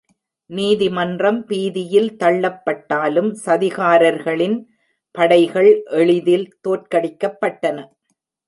நீதிமன்றம் பீதியில் தள்ளப்பட்டாலும், சதிகாரர்களின் படைகள் எளிதில் தோற்கடிக்கப்பட்டன.